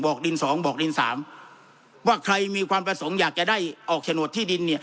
บอกดินสองบอกดินสามว่าใครมีความประสงค์อยากจะได้ออกฉโนตที่ดินเนี่ย